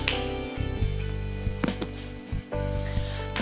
biar bagus hasilnya